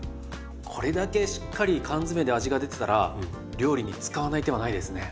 これだけしっかり缶詰で味が出てたら料理に使わない手はないですね。